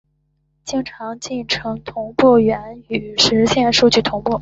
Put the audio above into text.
常用进程同步原语实现数据同步。